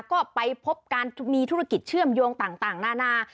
ก็ไปพบการมีธุรกิจเชื่อมโยงต่างนานา